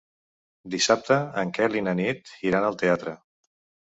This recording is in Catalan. Dissabte en Quel i na Nit iran al teatre.